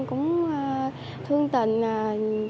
cũng thương tình